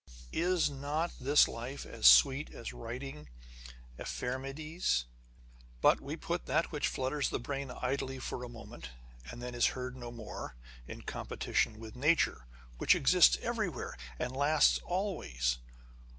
Is not this life as sweet as writing Ephemerides ? But we put that which flutters the brain idly for a moment, and then is heard no more, in competition with nature, which exists everywhere, and lasts always.